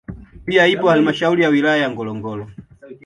Pia ipo halmashauri ya wilaya ya Ngorongoro